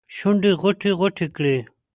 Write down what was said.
شونډې غوټې ، غوټې کړي